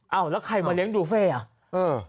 เอาแล้วใครมาเลี้ยงดูเฟ่อ่ะ